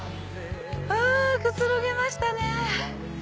くつろげましたね！